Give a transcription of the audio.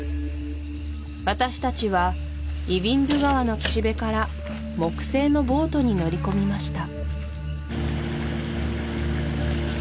私たちはイヴィンドゥ川の岸辺から木製のボートに乗り込みました